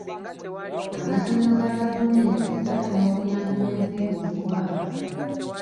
Amasomero ga gavumenti gafuna obuyambi bw'ensimbi buli mwaka.